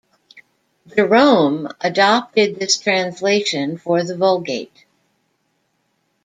Jerome adopted this translation for the Vulgate.